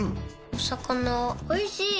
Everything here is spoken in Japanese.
お魚おいしい！